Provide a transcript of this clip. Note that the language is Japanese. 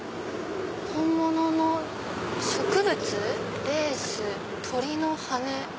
「本物の植物レース鳥の羽」。